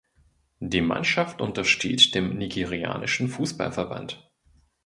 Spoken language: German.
Die Mannschaft untersteht dem nigerianischen Fußballverband.